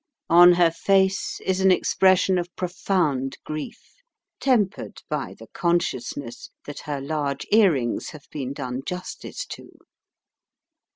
On her face is an expression of profound grief, tempered by the consciousness that her large earrings have been done justice to.